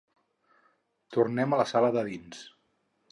Tornem a la sala de dins.